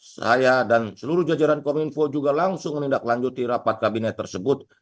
saya dan seluruh jajaran kominfo juga langsung menindaklanjuti rapat kabinet tersebut